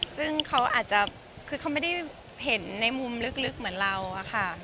ซึ่งเขาอาจจะคือเขาไม่ได้เห็นในมุมลึกเหมือนเราอะค่ะ